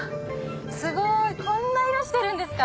すごい！こんな色してるんですか。